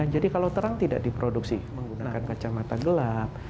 jadi kalau terang tidak diproduksi menggunakan kacamata gelap